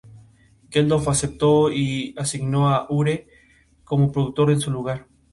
Geldof aceptó y asignó a Ure como productor en su lugar.